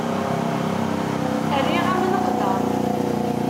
Rriɣ-am leqder.